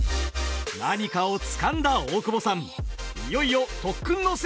何かをつかんだ大久保さん！